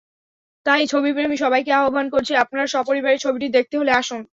তাই ছবিপ্রেমী সবাইকে আহ্বান করছি, আপনারা সপরিবারে ছবিটি দেখতে হলে আসুন।